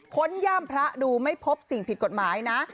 ค้นย่ามพระดูไม่พบสิ่งผิดกฎหมายนะ